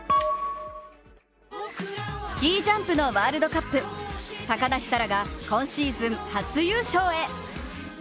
スキージャンプのワールドカップ高梨沙羅が今シーズン、初優勝へ。